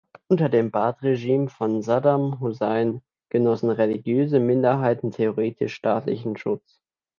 Unter dem Baath-Regime von Saddam Hussein genossen religiöse Minderheiten theoretisch staatlichen Schutz.